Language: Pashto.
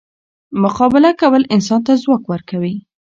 مقابله کول انسان ته ځواک ورکوي.